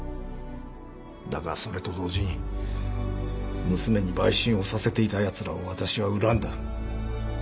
だがそれと同時に娘に売春をさせていたやつらを私は恨んだ。